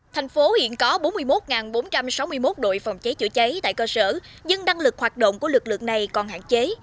thành phố hiện có bốn mươi một bốn trăm sáu mươi một đội phòng cháy chữa cháy tại cơ sở nhưng đăng lực hoạt động của lực lượng này còn hạn chế